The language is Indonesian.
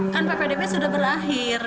kan ppdb sudah berlahir